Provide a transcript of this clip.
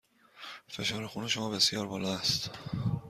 فشار خون شما بسیار بالا است.